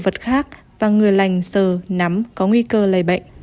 các đồ vật khác và người lành sờ nắm có nguy cơ lây bệnh